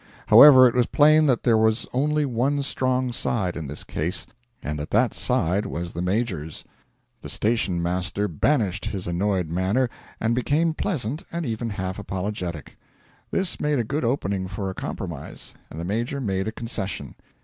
However, it was plain that there was only one strong side in this case, and that that side was the Major's. The station master banished his annoyed manner, and became pleasant and even half apologetic. This made a good opening for a compromise, and the Major made a concession.